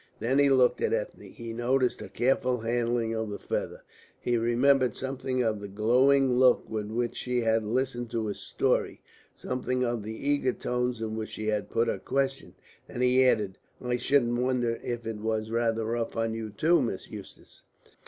Then he looked at Ethne. He noticed her careful handling of the feather; he remembered something of the glowing look with which she had listened to his story, something of the eager tones in which she had put her questions; and he added, "I shouldn't wonder if it was rather rough on you too, Miss Eustace."